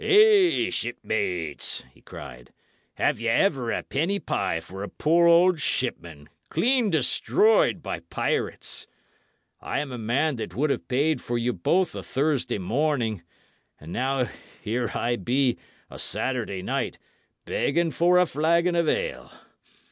"Hey, shipmates!" he cried. "Have ye ever a penny pie for a poor old shipman, clean destroyed by pirates? I am a man that would have paid for you both o' Thursday morning; and now here I be, o' Saturday night, begging for a flagon of ale!